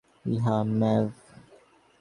Yeah, ম্যাভ।